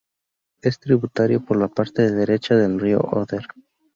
Es tributario por la parte derecha del Río Oder.